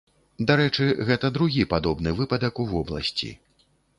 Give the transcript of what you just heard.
Дарэчы, гэта другі падобны выпадак у вобласці.